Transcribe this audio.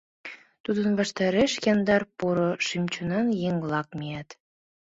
Тудын ваштареш яндар, поро шӱм-чонан еҥ-влак мият...